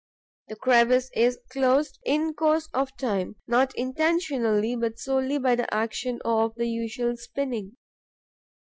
The crevice is closed, in course of time, not intentionally, but solely by the action of the usual spinning.